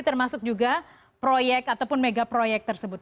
termasuk juga proyek ataupun mega proyek tersebut